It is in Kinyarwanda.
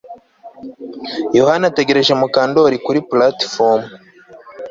Yohana ategereje Mukandoli kuri platifomu